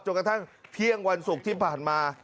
กระทั่งเที่ยงวันศุกร์ที่ผ่านมา